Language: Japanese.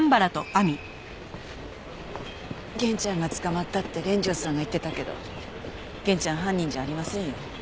源ちゃんが捕まったって連城さんが言ってたけど源ちゃん犯人じゃありませんよ。